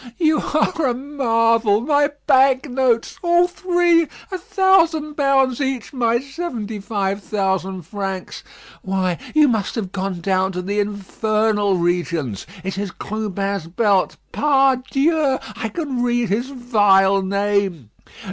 You are a marvel. My bank notes! all three. A thousand pounds each. My seventy five thousand francs. Why, you must have gone down to the infernal regions. It is Clubin's belt. Pardieu! I can read his vile name.